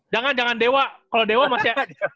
jangan jangan dewa kalau dewa masih